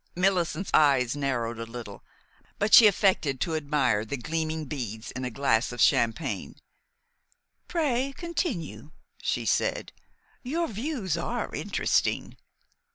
Millicent's eyes narrowed a little; but she affected to admire the gleaming beads in a glass of champagne. "Pray continue," she said. "Your views are interesting."